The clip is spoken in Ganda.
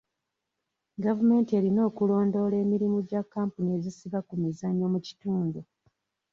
Gavumenti erina okulondoola emirimu gya kampuni ezisiba ku mizannyo mu kitundu.